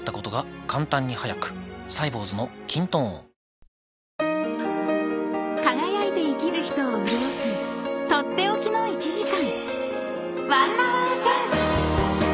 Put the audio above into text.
生茶リッチ」［輝いて生きる人を潤す取って置きの１時間］